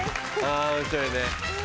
あ面白いね。